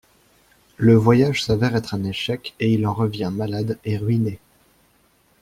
Le voyage s'avère être un échec et il en revient malade et ruiné.